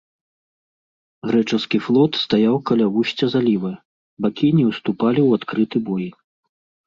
Грэчаскі флот стаяў каля вусця заліва, бакі не ўступалі ў адкрыты бой.